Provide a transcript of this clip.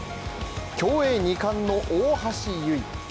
競泳２冠の大橋悠依